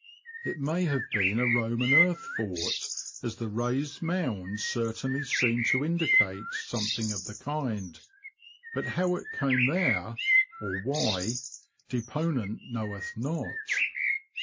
It may have been a Roman earth fort, as the raised mounds certainly seem to indicate something of the kind ; but how^ it came there, or why, deponent knoweth not.